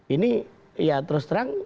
ini ya terus terang